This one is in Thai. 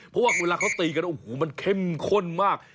เพราะว่าเวลาเขาตีกันโอ้โหมันเข้มข้นมาก